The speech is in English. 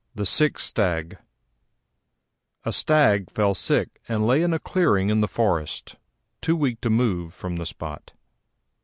THE SICK STAG A Stag fell sick and lay in a clearing in the forest, too weak to move from the spot.